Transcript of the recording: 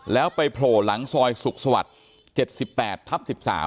แล้วไปโผล่หลังซอยสุขสวรรค์๗๘ทับ๑๓